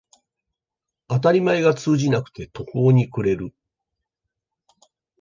当たり前が通じなくて途方に暮れる